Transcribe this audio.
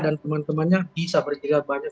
dan teman temannya bisa bercerita banyak